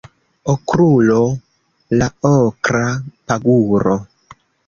Okrulo la okra paguro